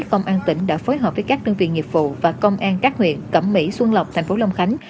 công an tỉnh đã phối hợp với các đơn vị nghiệp vụ và công an các huyện cẩm mỹ xuân lộc tp long khánh